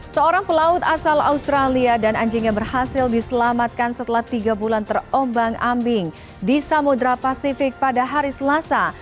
seorang pelaut asal australia dan anjingnya berhasil diselamatkan setelah tiga bulan terombang ambing di samudera pasifik pada hari selasa